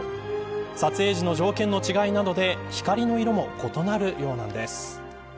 撮影時の条件の違いなどで光の色も異なるようなんです。